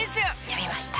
「読みました」